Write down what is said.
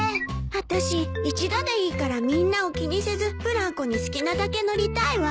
私一度でいいからみんなを気にせずブランコに好きなだけ乗りたいわ。